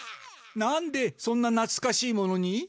なんでそんななつかしいものに？